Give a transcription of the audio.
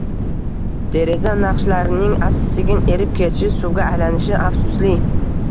Deraza naqshlarining asta-sekin erib ketishi, suvga aylanishi afsusli